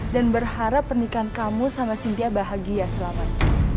dan berharap pernikahan kamu sama sintia bahagia selamat